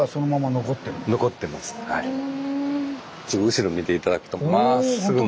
後ろ見て頂くとまっすぐの。